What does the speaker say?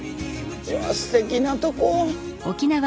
うわっすてきなとこ。